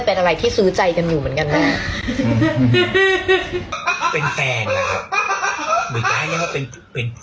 แบบเฮ้ยเขาไม่ได้รับเล็กคนเดียวนะรับได้บางวันอ่ะอืม